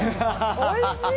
おいしい！